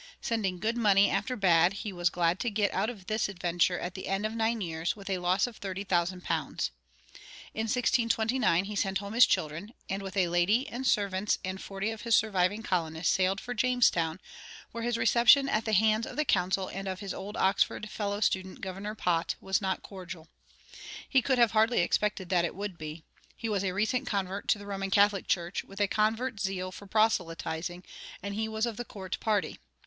Sending good money after bad, he was glad to get out of this venture at the end of nine years with a loss of thirty thousand pounds. In 1629 he sent home his children, and with a lady and servants and forty of his surviving colonists sailed for Jamestown, where his reception at the hands of the council and of his old Oxford fellow student, Governor Pott, was not cordial. He could hardly have expected that it would be. He was a recent convert to the Roman Catholic Church, with a convert's zeal for proselyting, and he was of the court party.